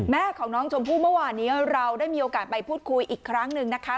แม่ของน้องชมพู่เมื่อวานนี้เราได้มีโอกาสไปพูดคุยอีกครั้งหนึ่งนะคะ